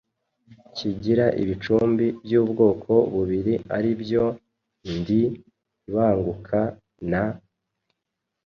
Kigira ibicumbi by’ubwoko bubiri aribyo –ndi ibanguka na –: